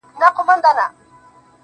هغه چارواکي مه ښوروئ